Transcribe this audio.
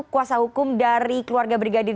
kuasa hukum dari keluarga brigadir